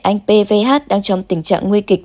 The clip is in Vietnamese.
anh b v h đang trong tình trạng nguy kịch